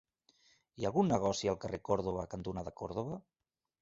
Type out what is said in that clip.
Hi ha algun negoci al carrer Còrdova cantonada Còrdova?